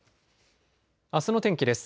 あすの天気です。